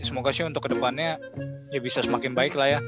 semoga sih untuk kedepannya ya bisa semakin baik lah ya